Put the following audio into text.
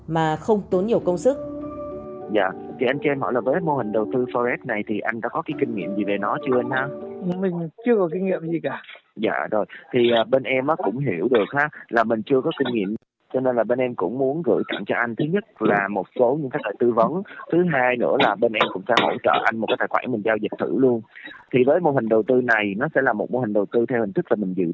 mà không tốn nhiều công sức